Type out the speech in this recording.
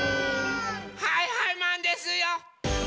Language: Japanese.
はいはいマンですよ！